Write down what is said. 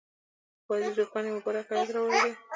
بایزید روښان یو مبارک آیت راوړی دی.